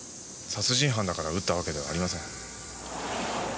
殺人犯だから撃ったわけではありません。